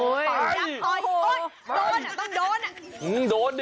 โอ้ยโอ้โหต้องโดน